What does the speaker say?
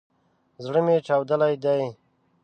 زړه مي چاودلی دی